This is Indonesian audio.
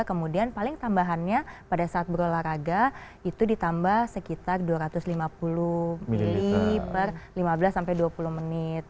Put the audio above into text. kemudian paling tambahannya pada saat berolahraga itu ditambah sekitar dua ratus lima puluh ml per lima belas sampai dua puluh menit